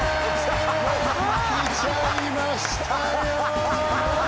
来ちゃいましたよ！